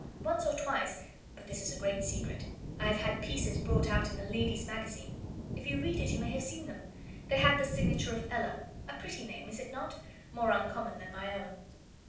Once or twice but this is a great secret I have had pieces brought out in the 'Ladies' Magazine.' If you read it, you may have seen them; they had the signature of Ella a pretty name, is it not? more uncommon than my own."